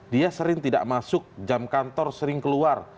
dia sering tidak masuk jam kantor sering keluar